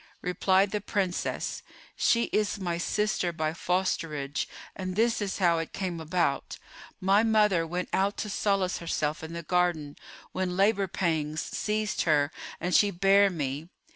Replied the Princess, "She is my sister by fosterage and this is how it came about. My mother went out to solace herself in the garden, when labour pangs seized her and she bare me.